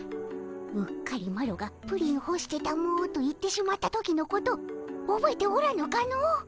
うっかりマロがプリンほしてたもと言ってしまった時のことおぼえておらぬかの。